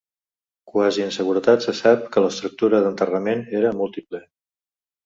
Quasi en seguretat se sap que l'estructura d'enterrament era múltiple.